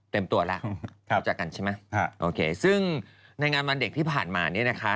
ตัวแล้วรู้จักกันใช่ไหมโอเคซึ่งในงานวันเด็กที่ผ่านมาเนี่ยนะคะ